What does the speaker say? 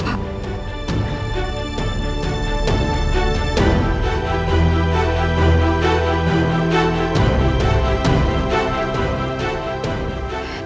padahal anak paman